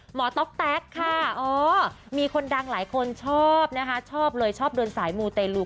ต๊อกแต๊กค่ะอ๋อมีคนดังหลายคนชอบนะคะชอบเลยชอบเดินสายมูเตลู